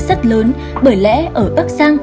rất lớn bởi lẽ ở bắc giang